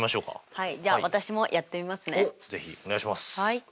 はい。